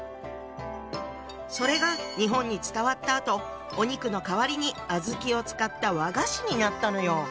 それが日本に伝わったあとお肉の代わりに小豆を使った和菓子になったのよ！